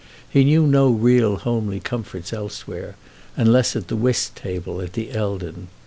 He knew no real homely comforts elsewhere, unless at the whist table at the Eldon.